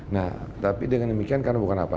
nah tapi dengan demikian karena bukan apa